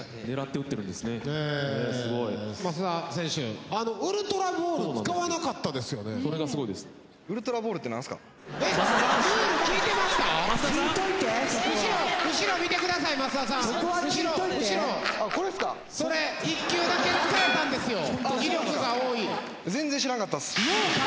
逆にすごいです。